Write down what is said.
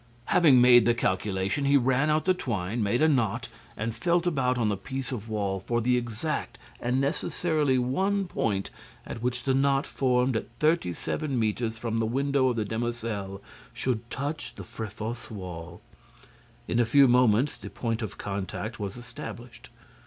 Having made the calculation, he ran out the twine, made a knot and felt about on the piece of wall for the exact and necessarily one point at which the knot, formed at 37 metres from the window of the Demoiselles, should touch the Fréfossé wall. In a few moments, the point of contact was established.